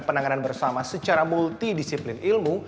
penanganan bersama secara multidisiplin ilmu